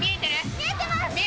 見えてます。